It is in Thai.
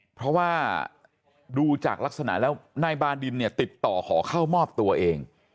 เพราะว่าดูจากลักษณะแล้วนายบาดินเนี่ยติดต่อขอเข้ามอบตัวเอง